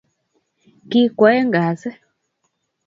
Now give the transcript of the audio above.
Ki kwoeng gasi